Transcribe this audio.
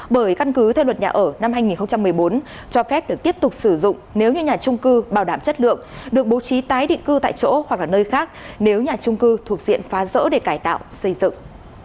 bởi căn cứ theo luật nhà ở năm hai nghìn một mươi bốn cho phép được tiếp tục sử dụng nếu như nhà trung cư bảo đảm chất lượng được bố trí tái định cư tại chỗ hoặc ở nơi khác nếu nhà trung cư thuộc diện phá rỡ để cải tạo xây dựng